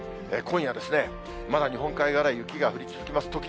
今夜、まだ日本海側では雪が降り続きます。